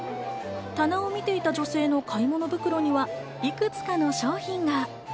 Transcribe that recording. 棚を見ていた女性の買い物袋には、いくつかの商品が。